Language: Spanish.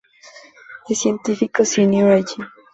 Es científico senior allí.